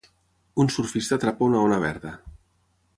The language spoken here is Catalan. Un surfista atrapa una ona verda.